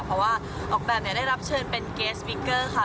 เพราะว่าออกแบบได้รับเชิญเป็นเกสวิกเกอร์ค่ะ